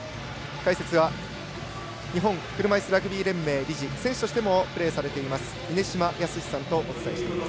解説は日本車いすラグビー連盟理事選手としてもプレーされています峰島靖さんとお伝えしています。